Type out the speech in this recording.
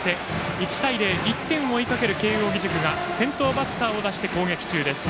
１対０、１点を追いかける慶応義塾が先頭バッターを出して攻撃中です。